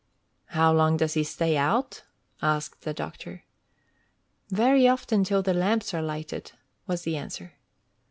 "How long does he stay out?" asked the doctor. "Very often till the lamps are lighted," was the answer.